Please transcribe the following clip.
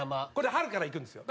春から行くんですよ。